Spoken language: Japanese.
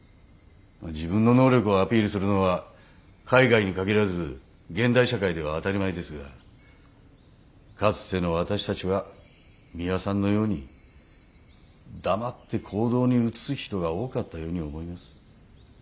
まあ自分の能力をアピールするのは海外に限らず現代社会では当たり前ですがかつての私たちはミワさんのように黙って行動に移す人が多かったように思います。